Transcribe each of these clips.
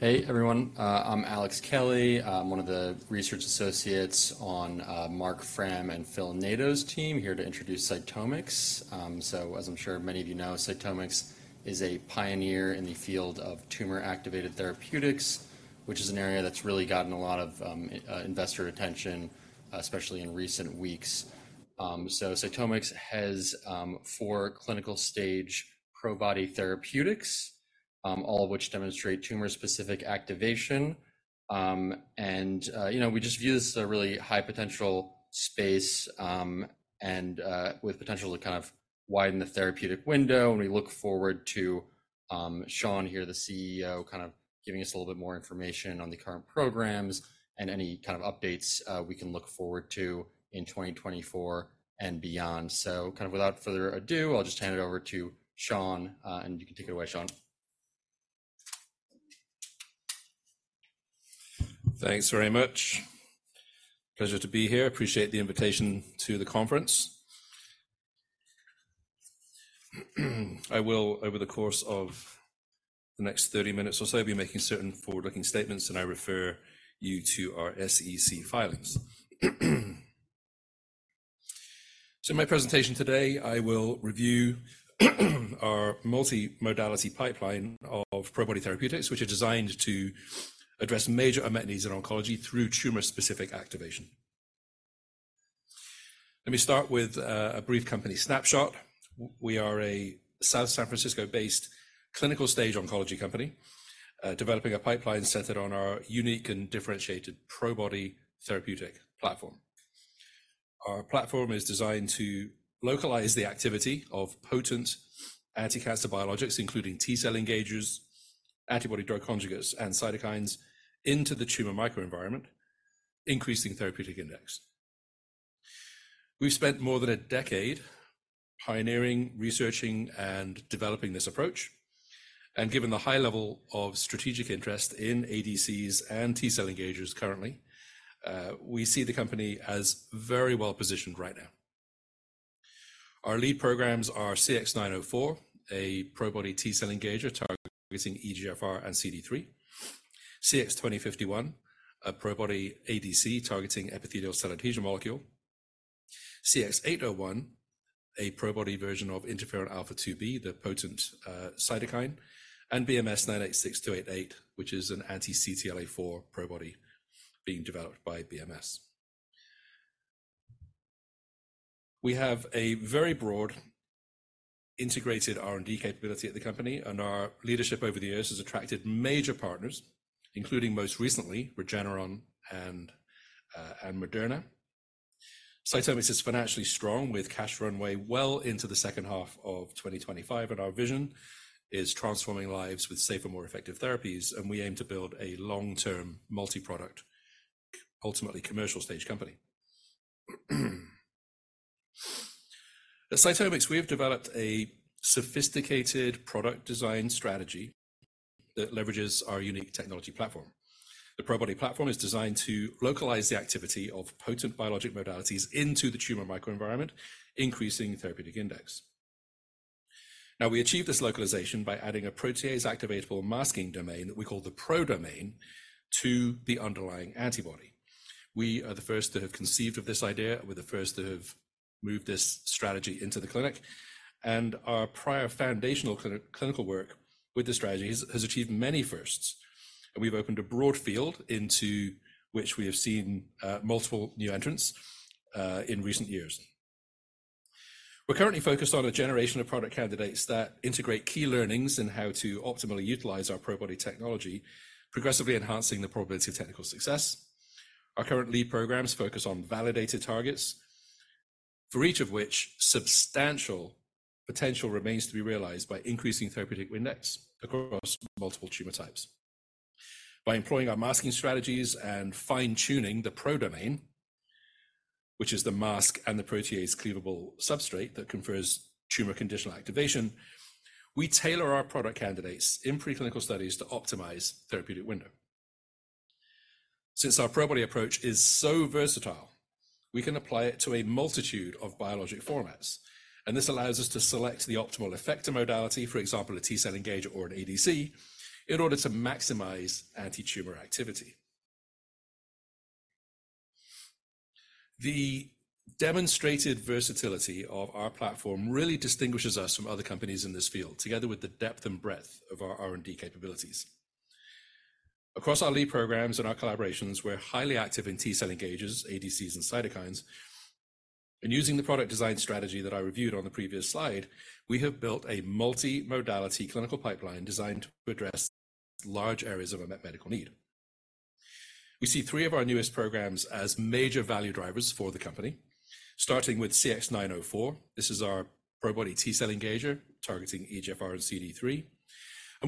Hey, everyone. I'm Alex Kelly. I'm one of the research associates on Marc Frahm, and Phil Nadeau's team here to introduce CytomX. So as I'm sure many of you know, CytomX is a pioneer in the field of tumor-activated therapeutics, which is an area that's really gotten a lot of investor attention, especially in recent weeks. So CytomX has four clinical-stage Probody therapeutics, all of which demonstrate tumor-specific activation. And you know, we just view this as a really high-potential space, with potential to kind of widen the therapeutic window. We look forward to Sean here, the CEO, kind of giving us a little bit more information on the current programs and any kind of updates we can look forward to in 2024 and beyond. So kind of without further ado, I'll just hand it over to Sean, and you can take it away, Sean. Thanks very much. Pleasure to be here. Appreciate the invitation to the conference. I will, over the course of the next 30 minutes or so, be making certain forward-looking statements, and I refer you to our SEC filings. So in my presentation today, I will review our multimodality pipeline of Probody therapeutics, which are designed to address major unmet needs in oncology through tumor-specific activation. Let me start with a brief company snapshot. We are a South San Francisco-based clinical-stage oncology company, developing a pipeline centered on our unique and differentiated Probody therapeutic platform. Our platform is designed to localize the activity of potent anticancer biologics, including T-cell engagers, antibody-drug conjugates, and cytokines, into the tumor microenvironment, increasing therapeutic index. We've spent more than a decade pioneering, researching, and developing this approach. Given the high level of strategic interest in ADCs and T-cell engagers currently, we see the company as very well positioned right now. Our lead programs are CX-904, a Probody T-cell engager targeting EGFR and CD3; CX-2051, a Probody ADC targeting epithelial cell adhesion molecule; CX-801, a Probody version of interferon alpha-2b, the potent cytokine; and BMS-986288, which is an anti-CTLA-4 Probody being developed by BMS. We have a very broad integrated R&D capability at the company, and our leadership over the years has attracted major partners, including most recently Regeneron and Moderna. CytomX is financially strong, with cash runway well into the second half of 2025. Our vision is transforming lives with safer, more effective therapies. We aim to build a long-term multi-product, ultimately commercial-stage company. At CytomX, we have developed a sophisticated product design strategy that leverages our unique technology platform. The Probody platform is designed to localize the activity of potent biologic modalities into the tumor microenvironment, increasing therapeutic index. Now, we achieve this localization by adding a protease-activatable masking domain that we call the pro-domain to the underlying antibody. We are the first to have conceived of this idea. We're the first to have moved this strategy into the clinic. Our prior foundational clinical work with this strategy has achieved many firsts. We've opened a broad field into which we have seen, multiple new entrants, in recent years. We're currently focused on a generation of product candidates that integrate key learnings in how to optimally utilize our Probody technology, progressively enhancing the probability of technical success. Our current lead programs focus on validated targets, for each of which substantial potential remains to be realized by increasing therapeutic index across multiple tumor types. By employing our masking strategies and fine-tuning the Probody domain, which is the mask and the protease cleavable substrate that confers tumor conditional activation, we tailor our product candidates in preclinical studies to optimize therapeutic window. Since our Probody approach is so versatile, we can apply it to a multitude of biologic formats. This allows us to select the optimal effector modality, for example, a T-cell engager or an ADC, in order to maximize anti-tumor activity. The demonstrated versatility of our platform really distinguishes us from other companies in this field, together with the depth and breadth of our R&D capabilities. Across our lead programs, and our collaborations, we're highly active in T-cell engagers, ADCs, and cytokines. Using the product design strategy that I reviewed on the previous slide, we have built a multimodality clinical pipeline designed to address large areas of a medical need. We see three of our newest programs as major value drivers for the company, starting with CX-904. This is our Probody T-cell engager targeting EGFR and CD3.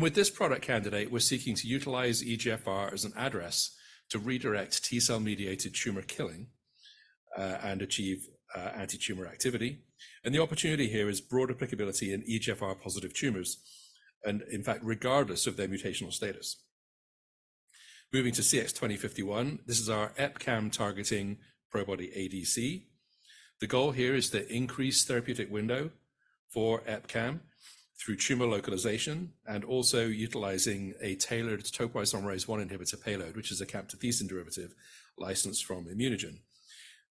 With this product candidate, we're seeking to utilize EGFR as an address to redirect T-cell-mediated tumor killing, and achieve anti-tumor activity. The opportunity here is broad applicability in EGFR-positive tumors and, in fact, regardless of their mutational status. Moving to CX-2051, this is our EpCAM targeting Probody ADC. The goal here is to increase therapeutic window for EpCAM through tumor localization and also utilizing a tailored topoisomerase I inhibitor payload, which is a camptothecin derivative licensed from ImmunoGen.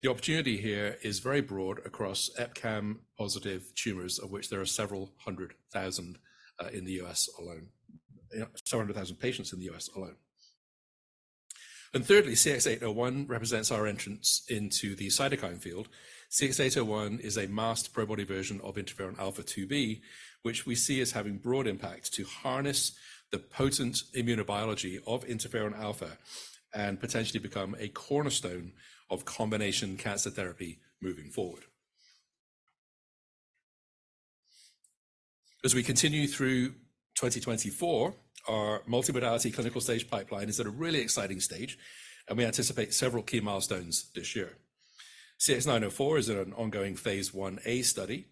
The opportunity here is very broad across EpCAM-positive tumors, of which there are several hundred thousand, in the U.S. alone, several hundred thousand patients in the U.S. alone. Thirdly, CX-801 represents our entrance into the cytokine field. CX-801 is a masked Probody version of interferon alpha-2b, which we see as having broad impact to harness the potent immunobiology of interferon alpha and potentially become a cornerstone of combination cancer therapy moving forward. As we continue through 2024, our multimodality clinical-stage pipeline is at a really exciting stage, and we anticipate several key milestones this year. CX-904 is in an ongoing phase IA study.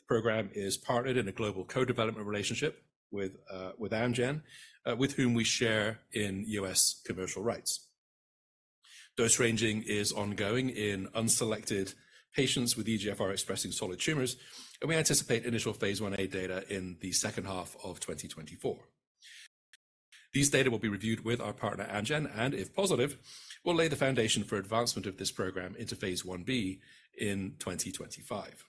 The program is partnered in a global co-development relationship with, with Amgen, with whom we share in U.S. commercial rights. Dose ranging is ongoing in unselected patients with EGFR-expressing solid tumors. We anticipate initial phase IA data in the second half of 2024. These data will be reviewed with our partner Amgen and, if positive, will lay the foundation for advancement of this program into phase IB in 2025.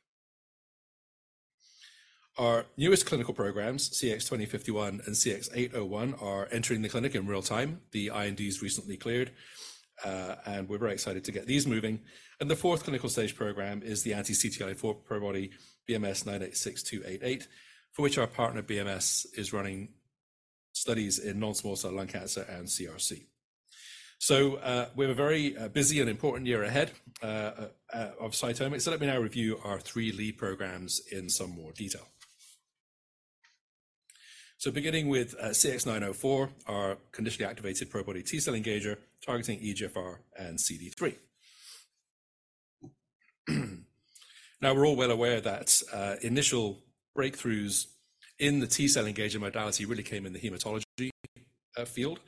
Our newest clinical programs, CX-2051 and CX-801, are entering the clinic in real time. The INDs recently cleared, and we're very excited to get these moving. The fourth clinical-stage program is the anti-CTLA-4 Probody BMS-986288, for which our partner BMS is running studies in non-small cell lung cancer and CRC. We have a very busy and important year ahead of CytomX. Let me now review our three lead programs in some more detail. Beginning with CX-904, our conditionally activated Probody T-cell engager targeting EGFR and CD3. Now, we're all well aware that initial breakthroughs in the T-cell engager modality really came in the hematology field,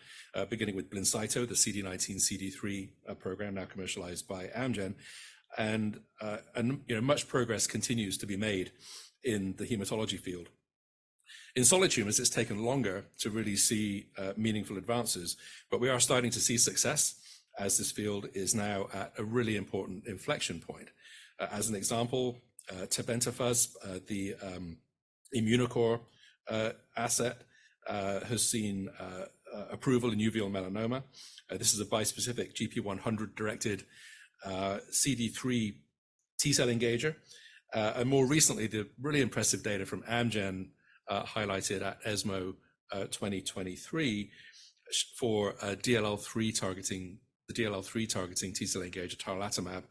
beginning with Blincyto, the CD19/CD3 program now commercialized by Amgen. You know, much progress continues to be made in the hematology field. In solid tumors, it's taken longer to really see meaningful advances. But we are starting to see success as this field is now at a really important inflection point. As an example, tebentafusp, the Immunocore asset, has seen approval in uveal melanoma. This is a bispecific GP100-directed CD3 T-cell engager. And more recently, the really impressive data from Amgen, highlighted at ESMO 2023, for DLL3 targeting the DLL3 targeting T-cell engager tarlatamab,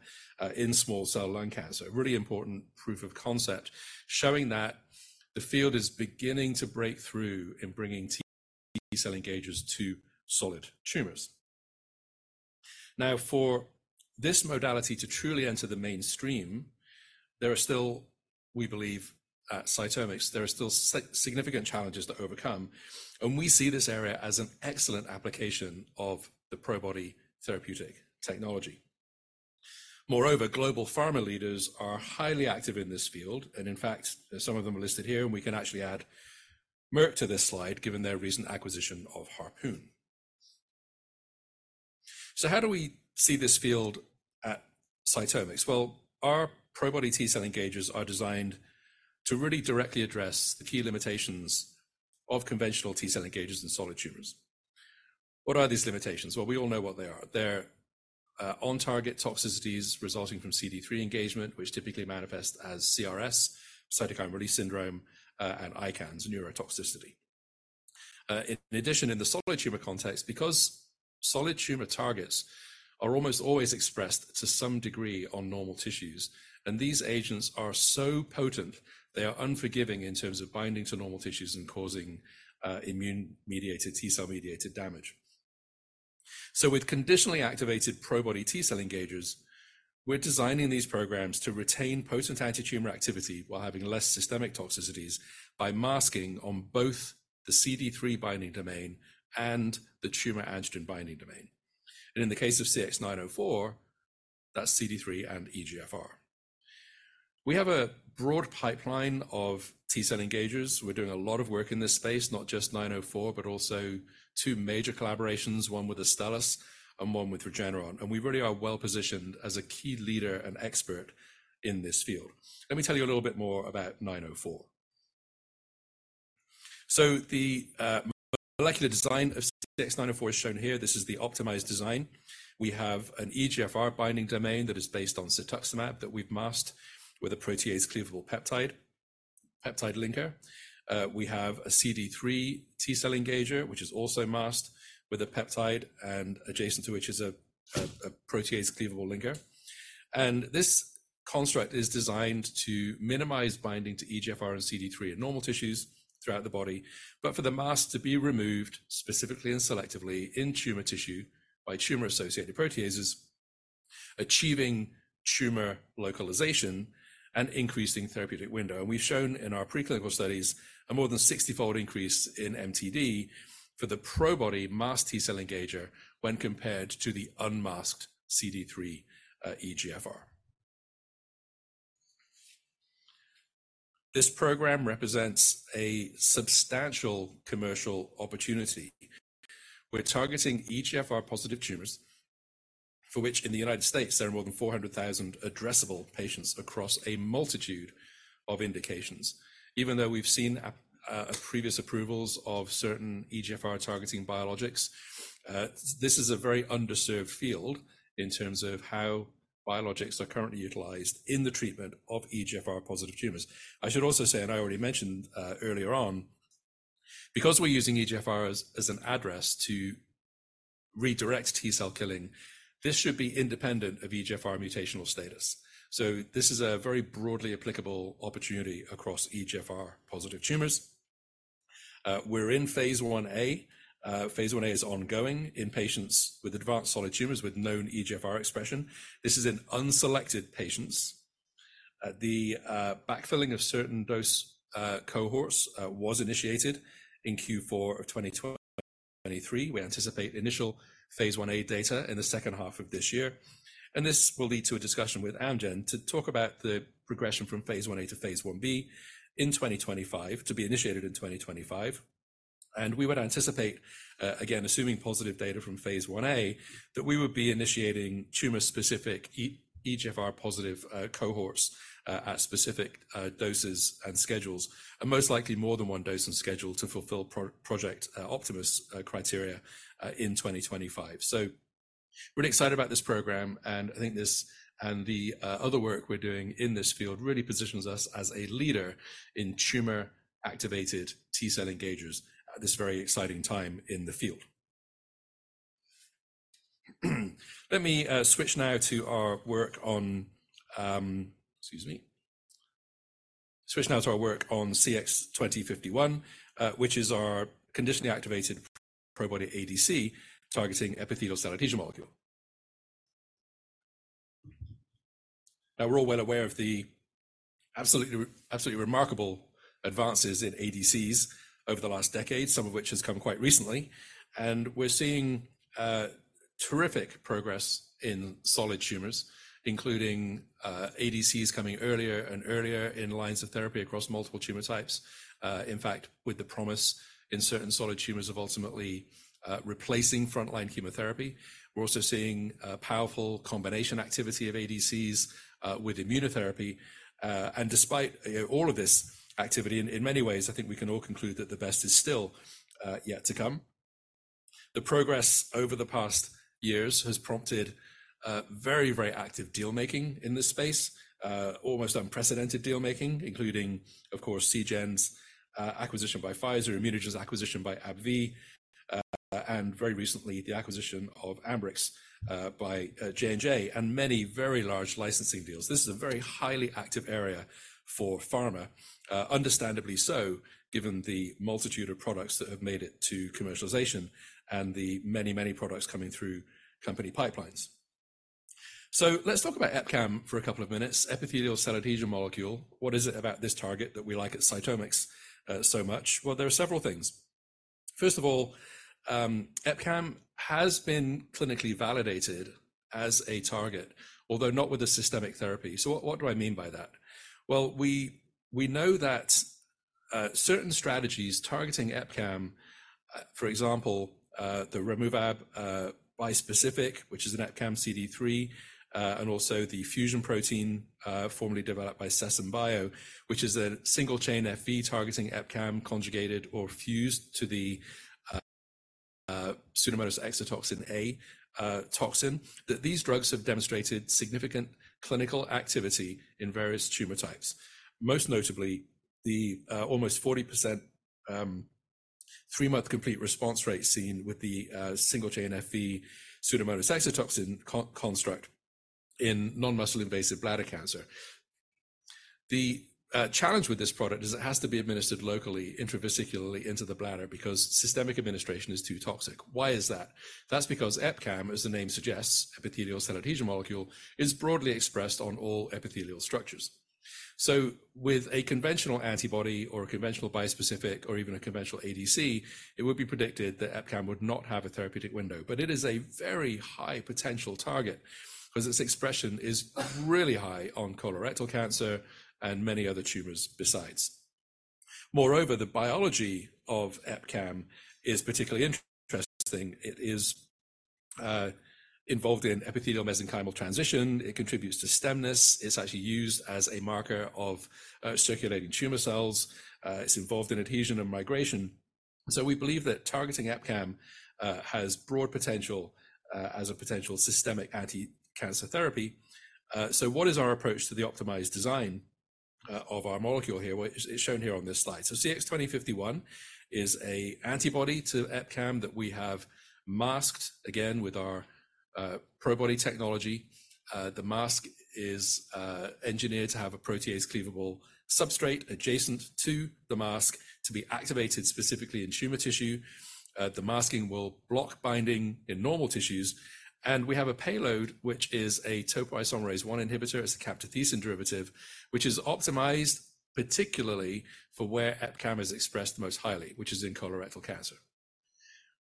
in small cell lung cancer. Really important proof of concept showing that the field is beginning to break through in bringing T-cell engagers to solid tumors. Now, for this modality to truly enter the mainstream, there are still, we believe, at CytomX, there are still significant challenges to overcome. And we see this area as an excellent application of the Probody therapeutic technology. Moreover, global pharma leaders are highly active in this field. And in fact, some of them are listed here. And we can actually add Merck to this slide, given their recent acquisition of Harpoon. So how do we see this field at CytomX? Well, our Probody T-cell engagers are designed to really directly address the key limitations of conventional T-cell engagers in solid tumors. What are these limitations? Well, we all know what they are. They're on-target toxicities resulting from CD3 engagement, which typically manifest as CRS, cytokine release syndrome, and ICANS, neurotoxicity. In addition, in the solid tumor context, because solid tumor targets are almost always expressed to some degree on normal tissues, and these agents are so potent, they are unforgiving in terms of binding to normal tissues and causing immune-mediated, T-cell-mediated damage. So with conditionally activated Probody T-cell engagers, we're designing these programs to retain potent anti-tumor activity while having less systemic toxicities by masking on both the CD3 binding domain and the tumor antigen binding domain. And in the case of CX-904, that's CD3 and EGFR. We have a broad pipeline of T-cell engagers. We're doing a lot of work in this space, not just 904, but also two major collaborations, one with Astellas and one with Regeneron. We really are well positioned as a key leader and expert in this field. Let me tell you a little bit more about 904. So the molecular design of CX-904 is shown here. This is the optimized design. We have an EGFR binding domain that is based on cetuximab that we've masked with a protease cleavable peptide, peptide linker. We have a CD3 T-cell engager, which is also masked with a peptide, and adjacent to which is a protease cleavable linker. And this construct is designed to minimize binding to EGFR and CD3 in normal tissues throughout the body, but for the mask to be removed specifically and selectively in tumor tissue by tumor-associated proteases, achieving tumor localization, and increasing therapeutic window. We've shown in our preclinical studies a more than 60-fold increase in MTD for the Probody masked T-cell engager when compared to the unmasked CD3, EGFR. This program represents a substantial commercial opportunity. We're targeting EGFR-positive tumors, for which in the United States, there are more than 400,000 addressable patients across a multitude of indications. Even though we've seen previous approvals of certain EGFR-targeting biologics, this is a very underserved field in terms of how biologics are currently utilized in the treatment of EGFR-positive tumors. I should also say, and I already mentioned, earlier on, because we're using EGFR as an address to redirect T-cell killing, this should be independent of EGFR mutational status. So this is a very broadly applicable opportunity across EGFR-positive tumors. We're in phase 1a. Phase 1a is ongoing in patients with advanced solid tumors with known EGFR expression. This is in unselected patients. The backfilling of certain dose cohorts was initiated in Q4 of 2023. We anticipate initial phase IA data in the second half of this year. This will lead to a discussion with Amgen to talk about the progression from phase IA to phase IB in 2025, to be initiated in 2025. We would anticipate, again, assuming positive data from phase IA, that we would be initiating tumor-specific EGFR-positive cohorts at specific doses and schedules, and most likely more than one dose and schedule to fulfill Project Optimus criteria in 2025. So we're excited about this program. I think this and the other work we're doing in this field really positions us as a leader in tumor-activated T-cell engagers at this very exciting time in the field. Let me switch now to our work on CX-2051, excuse me, which is our conditionally activated Probody ADC targeting epithelial cell adhesion molecule. Now, we're all well aware of the absolutely remarkable advances in ADCs over the last decade, some of which has come quite recently. And we're seeing terrific progress in solid tumors, including ADCs coming earlier and earlier in lines of therapy across multiple tumor types, in fact, with the promise in certain solid tumors of ultimately replacing frontline chemotherapy. We're also seeing powerful combination activity of ADCs with immunotherapy. And despite, you know, all of this activity, in many ways, I think we can all conclude that the best is still yet to come. The progress over the past years has prompted very, very active dealmaking in this space, almost unprecedented dealmaking, including, of course, CGEN's acquisition by Pfizer, ImmunoGen's acquisition by AbbVie, and very recently, the acquisition of Ambrx by J&J and many very large licensing deals. This is a very highly active area for pharma, understandably so, given the multitude of products that have made it to commercialization and the many, many products coming through company pipelines. So let's talk about EpCAM for a couple of minutes. Epithelial cell adhesion molecule, what is it about this target that we like at CytomX so much? Well, there are several things. First of all, EpCAM has been clinically validated as a target, although not with a systemic therapy. So what, what do I mean by that? Well, we know that certain strategies targeting EpCAM, for example, the Removab bispecific, which is an EpCAM CD3, and also the fusion protein, formerly developed by Sesen Bio, which is a single-chain Fv FV targeting EpCAM conjugated or fused to the Pseudomonas exotoxin A toxin, that these drugs have demonstrated significant clinical activity in various tumor types, most notably the almost 40% three-month complete response rate seen with the single-chain Fv Pseudomonas exotoxin construct in non-muscle invasive bladder cancer. The challenge with this product is it has to be administered locally, intravesicularly into the bladder because systemic administration is too toxic. Why is that? That's because EpCAM, as the name suggests, epithelial cell adhesion molecule, is broadly expressed on all epithelial structures. So with a conventional antibody or a conventional bispecific or even a conventional ADC, it would be predicted that EpCAM would not have a therapeutic window. But it is a very high potential target because its expression is really high on colorectal cancer and many other tumors besides. Moreover, the biology of EpCAM is particularly interesting. It is involved in epithelial mesenchymal transition. It contributes to stemness. It's actually used as a marker of circulating tumor cells. It's involved in adhesion and migration. So we believe that targeting EpCAM has broad potential as a potential systemic anti-cancer therapy. So what is our approach to the optimized design of our molecule here? Well, it's shown here on this slide. So CX-2051 is an antibody to EpCAM that we have masked again with our Probody technology. The mask is engineered to have a protease cleavable substrate adjacent to the mask to be activated specifically in tumor tissue. The masking will block binding in normal tissues. And we have a payload, which is a topoisomerase I inhibitor. It's a camptothecin derivative, which is optimized particularly for where EpCAM is expressed the most highly, which is in colorectal cancer.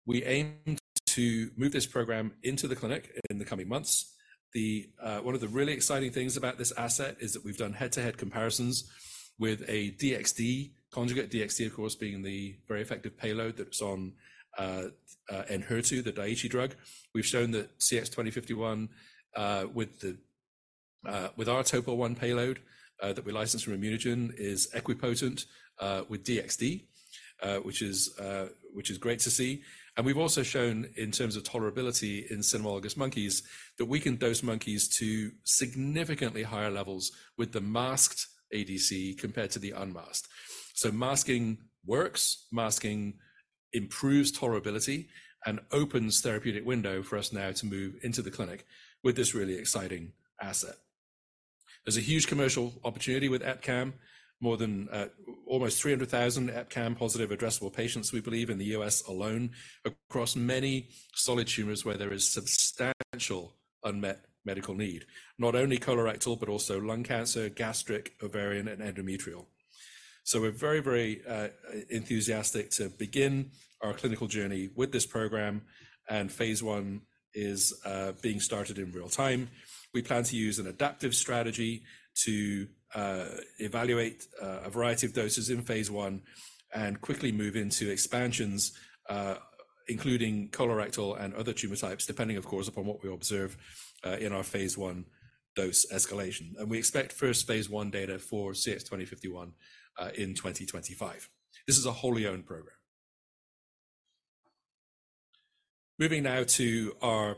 We aim to move this program into the clinic in the coming months. The one of the really exciting things about this asset is that we've done head-to-head comparisons with a DXd conjugate, DXd, of course, being the very effective payload that's on Enhertu , the Daiichi drug. We've shown that CX-2051, with our topo I payload, that we license from ImmunoGen is equipotent with DXd, which is great to see. And we've also shown in terms of tolerability in cynomolgus monkeys that we can dose monkeys to significantly higher levels with the masked ADC compared to the unmasked. So masking works. Masking improves tolerability and opens therapeutic window for us now to move into the clinic with this really exciting asset. There's a huge commercial opportunity with EpCAM, more than almost 300,000 EpCAM-positive addressable patients, we believe, in the U.S. alone across many solid tumors where there is substantial unmet medical need, not only colorectal, but also lung cancer, gastric, ovarian, and endometrial. So we're very, very enthusiastic to begin our clinical journey with this program. And phase I is being started in real time. We plan to use an adaptive strategy to evaluate a variety of doses in phase I and quickly move into expansions, including colorectal and other tumor types, depending, of course, upon what we observe in our phase I dose escalation. And we expect first phase I data for CX-2051 in 2025. This is a wholly owned program. Moving now to our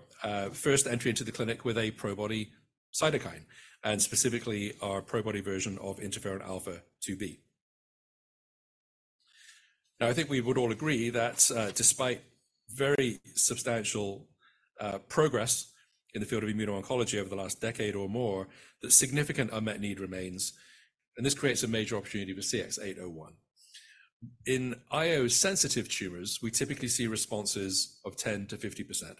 first entry into the clinic with a Probody cytokine and specifically our Probody version of interferon alpha-2b. Now, I think we would all agree that, despite very substantial progress in the field of immuno-oncology over the last decade or more, that significant unmet need remains. And this creates a major opportunity for CX-801. In IO-sensitive tumors, we typically see responses of 10%-50%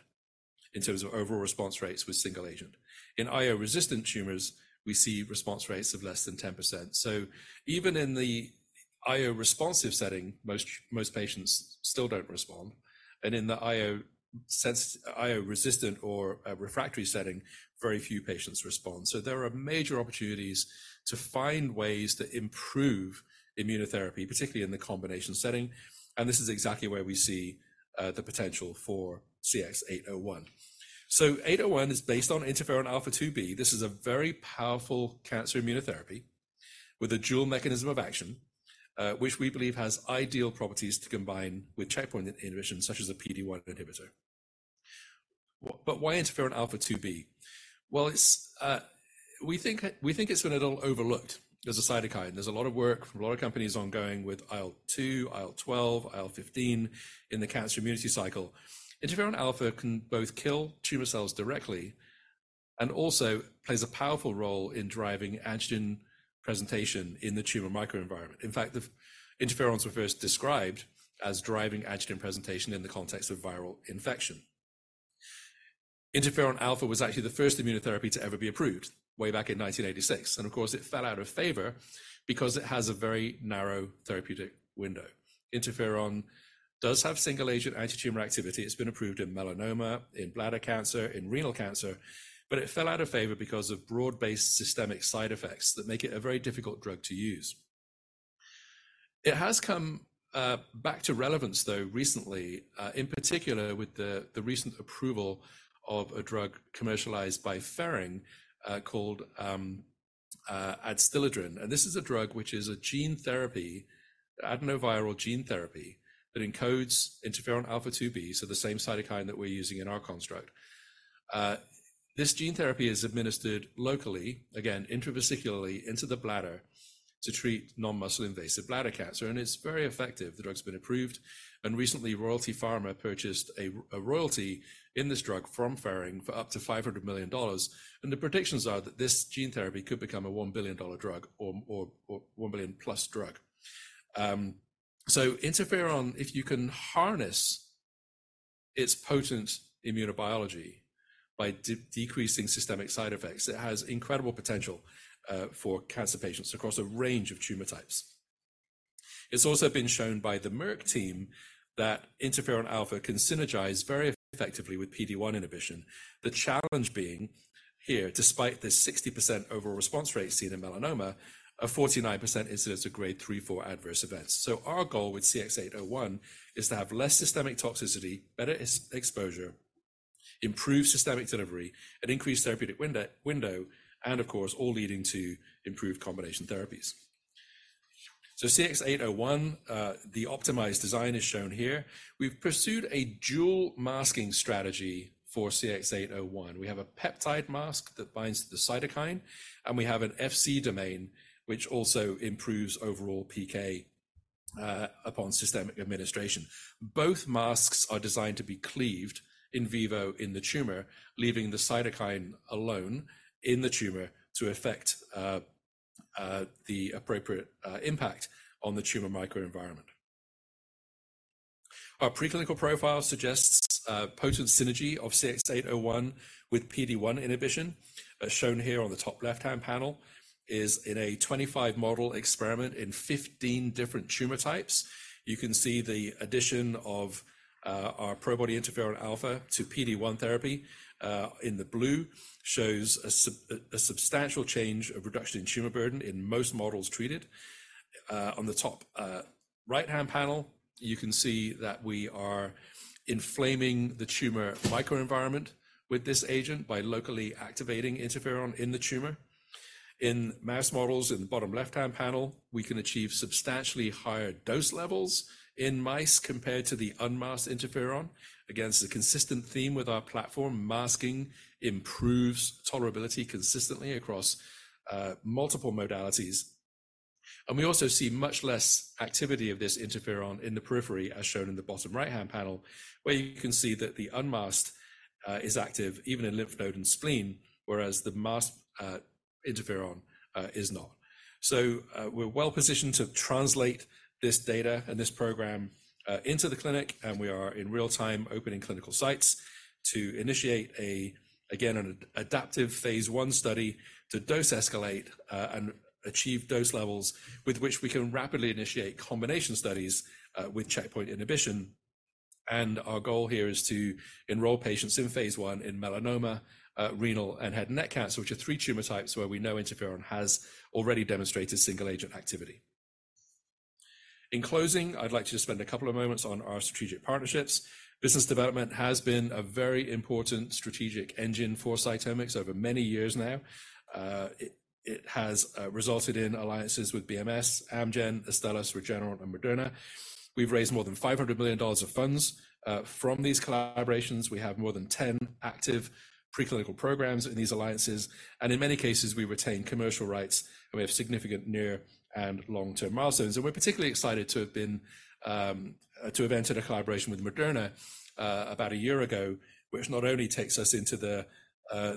in terms of overall response rates with single agent. In IO-resistant tumors, we see response rates of less than 10%. So even in the IO-responsive setting, most, most patients still don't respond. And in the IO-sensitive, IO-resistant or refractory setting, very few patients respond. So there are major opportunities to find ways to improve immunotherapy, particularly in the combination setting. And this is exactly where we see the potential for CX-801. So 801 is based on interferon alpha-2b. This is a very powerful cancer immunotherapy with a dual mechanism of action, which we believe has ideal properties to combine with checkpoint inhibition such as a PD-1 inhibitor. But why interferon alpha-2b? Well, it's, we think it's been a little overlooked as a cytokine. There's a lot of work from a lot of companies ongoing with IL-2, IL-12, IL-15 in the cancer immunity cycle. Interferon alpha-2b can both kill tumor cells directly and also plays a powerful role in driving antigen presentation in the tumor microenvironment. In fact, the interferons were first described as driving antigen presentation in the context of viral infection. Interferon alpha-2b was actually the first immunotherapy to ever be approved way back in 1986. And of course, it fell out of favor because it has a very narrow therapeutic window. Interferon does have single agent anti-tumor activity. It's been approved in melanoma, in bladder cancer, in renal cancer. But it fell out of favour because of broad-based systemic side effects that make it a very difficult drug to use. It has come back to relevance, though, in particular with the recent approval of a drug commercialised by Ferring, called Adstiladrin. And this is a drug which is a gene therapy, adenoviral gene therapy that encodes interferon alpha-2b. So the same cytokine that we're using in our construct. This gene therapy is administered locally, again, intravesically into the bladder to treat non-muscle invasive bladder cancer. And it's very effective. The drug's been approved. And recently, Royalty Pharma purchased a royalty in this drug from Ferring for up to $500 million. And the predictions are that this gene therapy could become a $1 billion drug or $1 billion plus drug. So interferon, if you can harness its potent immunobiology by decreasing systemic side effects, it has incredible potential for cancer patients across a range of tumor types. It's also been shown by the Merck team that interferon alpha can synergize very effectively with PD-1 inhibition. The challenge being here, despite this 60% overall response rate seen in melanoma, a 49% incidence of grade 3/4 adverse events. So our goal with CX-801 is to have less systemic toxicity, better exposure, improved systemic delivery, an increased therapeutic window, and of course, all leading to improved combination therapies. So CX-801, the optimized design is shown here. We've pursued a dual masking strategy for CX-801. We have a peptide mask that binds to the cytokine. And we have an Fc domain, which also improves overall PK, upon systemic administration. Both masks are designed to be cleaved in vivo in the tumor, leaving the cytokine alone in the tumor to affect the appropriate impact on the tumor microenvironment. Our preclinical profile suggests potent synergy of CX-801 with PD-1 inhibition, as shown here on the top left-hand panel, in a 25-model experiment in 15 different tumor types. You can see the addition of our Probody interferon alpha to PD-1 therapy, in the blue shows a substantial change of reduction in tumor burden in most models treated. On the top right-hand panel, you can see that we are inflaming the tumor microenvironment with this agent by locally activating interferon in the tumor. In mouse models, in the bottom left-hand panel, we can achieve substantially higher dose levels in mice compared to the unmasked interferon. Again, it's a consistent theme with our platform. Masking improves tolerability consistently across multiple modalities. We also see much less activity of this interferon in the periphery, as shown in the bottom right-hand panel, where you can see that the unmasked is active even in lymph node and spleen, whereas the masked interferon is not. So, we're well positioned to translate this data and this program into the clinic. And we are in real time opening clinical sites to initiate, again, an adaptive phase 1 study to dose escalate and achieve dose levels with which we can rapidly initiate combination studies with checkpoint inhibition. And our goal here is to enroll patients in phase 1 in melanoma, renal and head and neck cancer, which are three tumor types where we know interferon has already demonstrated single agent activity. In closing, I'd like to just spend a couple of moments on our strategic partnerships. Business development has been a very important strategic engine for CytomX over many years now. It has resulted in alliances with BMS, Amgen, Astellas, Regeneron, and Moderna. We've raised more than $500 million of funds from these collaborations. We have more than 10 active preclinical programs in these alliances. And in many cases, we retain commercial rights. And we have significant near- and long-term milestones. And we're particularly excited to have entered a collaboration with Moderna about a year ago, which not only takes us into the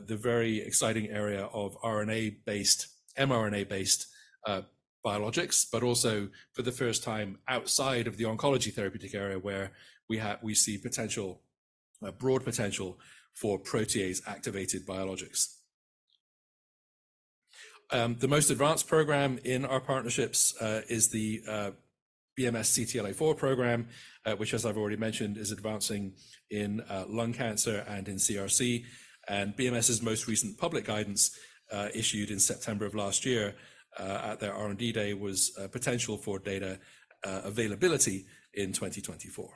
very exciting area of RNA-based, mRNA-based biologics, but also for the first time outside of the oncology therapeutic area where we see potential, broad potential for protease-activated biologics. The most advanced program in our partnerships is the BMS CTLA-4 program, which, as I've already mentioned, is advancing in lung cancer and in CRC. BMS's most recent public guidance, issued in September of last year at their R&D day, was potential for data availability in 2024.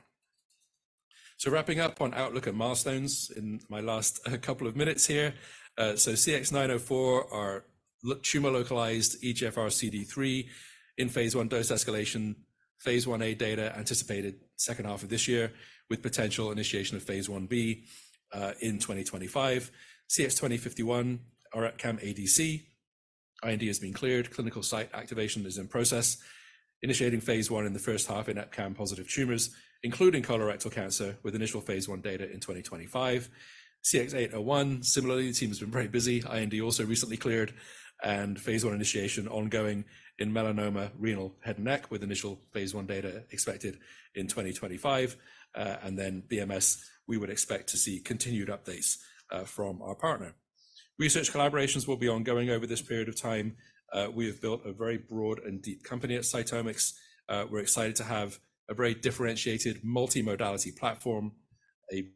So wrapping up on outlook and milestones in my last couple of minutes here. So CX-904, our tumor-localized EGFR CD3 in phase I dose escalation, phase IA data anticipated second half of this year with potential initiation of phase IB in 2025. CX-2051, our EpCAM ADC, IND has been cleared. Clinical site activation is in process, initiating phase I in the first half in EpCAM-positive tumors, including colorectal cancer with initial phase I data in 2025. CX-801, similarly, the team has been very busy. IND also recently cleared. And phase I initiation ongoing in melanoma, renal, head and neck with initial phase I data expected in 2025. And then BMS, we would expect to see continued updates from our partner. Research collaborations will be ongoing over this period of time. We have built a very broad and deep company at CytomX. We're excited to have a very differentiated multimodality platform, a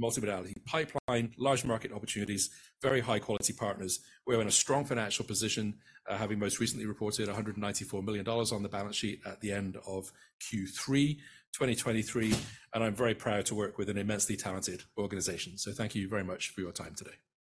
multimodality pipeline, large market opportunities, very high-quality partners. We're in a strong financial position, having most recently reported $194 million on the balance sheet at the end of Q3 2023. I'm very proud to work with an immensely talented organization. Thank you very much for your time today.